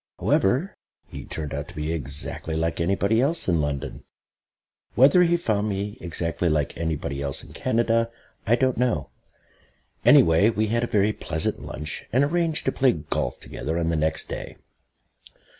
However, he turned out to be exactly like anybody else in London. Whether he found me exactly like anybody else in Canada I don't know. Anyway, we had a very pleasant lunch, and arranged to play golf together on the next day.